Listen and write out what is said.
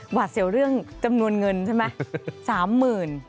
หวาดเสียวเรื่องจำนวนเงินใช่ไหม